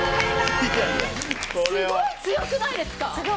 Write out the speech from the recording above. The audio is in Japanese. すごい強くないですか。